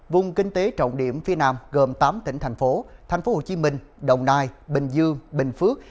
vùng kinh tế trọng điểm phía nam gồm tám tỉnh thành phố thành phố hồ chí minh đồng nai bình dương bình phước